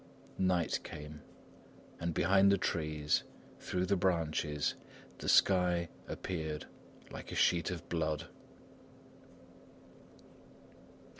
Night came, and behind the trees, through the branches, the sky appeared like a sheet of blood.